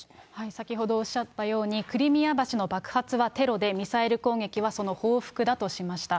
先ほどおっしゃったように、クリミア橋の爆発はテロでミサイル攻撃はその報復だとしました。